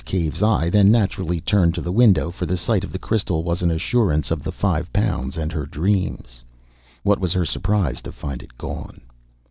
Cave's eye then naturally turned to the window; for the sight of the crystal was an assurance of the five pounds and of her dreams. What was her surprise to find it gone!